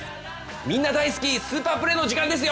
みんな大好きスーパープレーの時間ですよ！